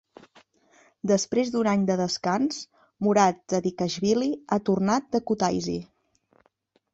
Després d'un any de descans, Murad Zadikashvili ha tornat de Kutaisi.